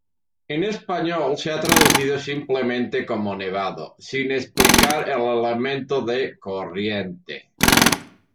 En español se ha traducido simplemente como Nevado, sin explicitar el elemento de ‘corriente’